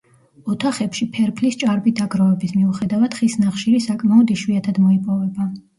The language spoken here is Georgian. ოთახებში ფერფლის ჭარბი დაგროვების მიუხედავად ხის ნახშირი საკმაოდ იშვიათად მოიპოვება.